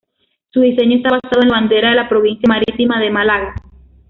Su diseño está basado en la bandera de la provincia marítima de Málaga.